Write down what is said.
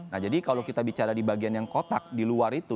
nah jadi kalau kita bicara di bagian yang kotak di luar itu